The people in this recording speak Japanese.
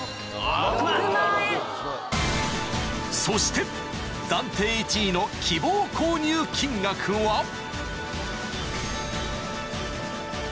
［そして暫定１位の希望購入金額は？］